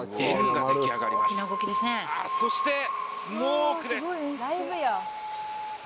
そしてスモークです。